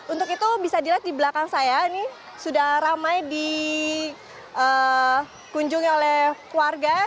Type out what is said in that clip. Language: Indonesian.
untuk itu bisa dilihat di belakang saya ini sudah ramai di kunjungi oleh warga